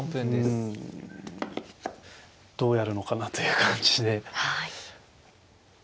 うんどうやるのかなという感じで。